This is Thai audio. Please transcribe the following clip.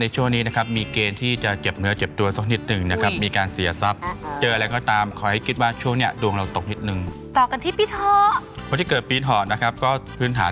ใช่ค่ะก็ถือว่าเป็นปีที่ดีเนอะ